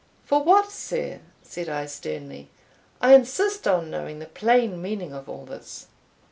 "For what, sir?" said I sternly. "I insist on knowing the plain meaning of all this."